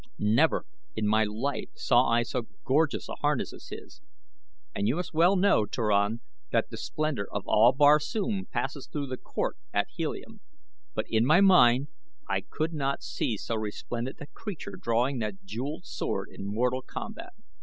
Never in my life saw I so gorgeous a harness as his, and you must well know, Turan, that the splendor of all Barsoom passes through the court at Helium; but in my mind I could not see so resplendent a creature drawing that jeweled sword in mortal combat.